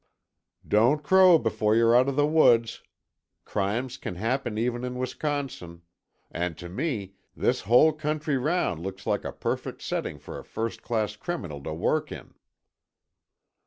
"Don't crow before you're out of the woods. Crimes can happen even in Wisconsin. And to me, this whole country round looks like a perfect setting for a first class criminal to work in."